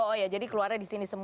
oh iya jadi keluarnya di sini semua